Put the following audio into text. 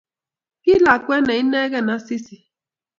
Ki lakwet ne inegei Asisi